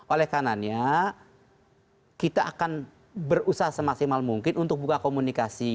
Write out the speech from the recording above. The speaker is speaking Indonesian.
oleh kanannya kita akan berusaha semaksimal mungkin untuk buka komunikasi